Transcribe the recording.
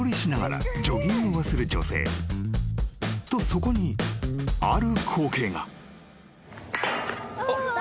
そこにある光景が］